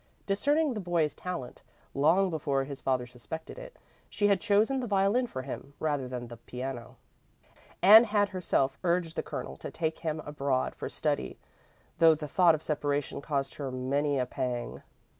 Discerning the boy's talent, long before his father suspected it, she had chosen the violin for him rather than the piano, and had herself urged the Colonel to take him abroad for study though the thought of separation caused her many a pang.